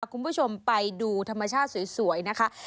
คุณผู้ชมไปดูธรรมชาติสวยนะคะ